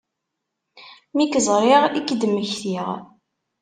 Mi k-ẓriɣ i k-d-mmektiɣ.